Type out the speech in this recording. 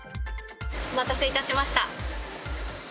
お待たせいたしました。